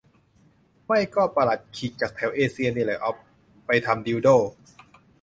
ไม่ก็ปลัดขิก จากแถวเอเชียนี่แหละ ไปทำดิลโด้